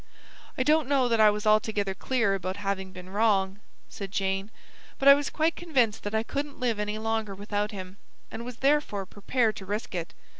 "I don't know that I was altogether clear about having been wrong," said Jane, "but I was quite convinced that I couldn't live any longer without him, and was therefore prepared to risk it.